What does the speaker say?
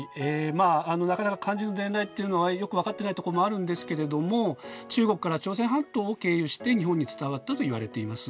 まあなかなか漢字の伝来っていうのはよく分かっていないところもあるんですけれども中国から朝鮮半島を経由して日本に伝わったといわれています。